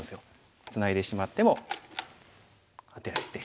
ツナいでしまってもアテられて。